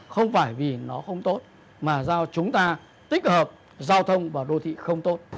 không phải vì nó không tốt mà do chúng ta tích hợp giao thông vào đô thị không tốt